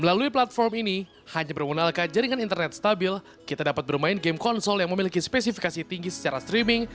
melalui platform ini hanya bergunalkan jaringan internet stabil kita dapat bermain game konsol yang memiliki spesifikasi tinggi secara streaming